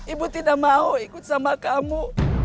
ibu tidak mau ikut sama kamu